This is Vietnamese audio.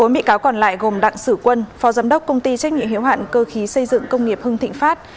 bốn bị cáo còn lại gồm đặng sử quân phó giám đốc công ty trách nhiệm hiệu hạn cơ khí xây dựng công nghiệp hưng thịnh phát